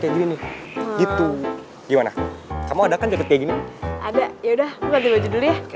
gue bawa aja deh